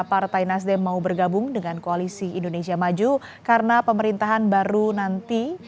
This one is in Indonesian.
partai nasdem mau bergabung dengan koalisi indonesia maju karena pemerintahan baru nanti